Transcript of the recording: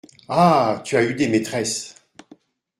Ah ! tu as eu des maîtresses !